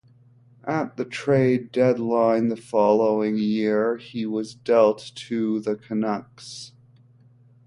At the trade deadline the following year, he was dealt to the Canucks.